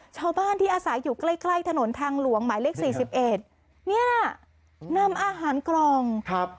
ชาวบ้านที่อาศัยอยู่ใกล้ใกล้ถนนทางหลวงหมายเลขสี่สิบเอ็ดเนี่ยน่ะนำอาหารกล่องครับ